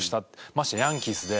ましてやヤンキースで。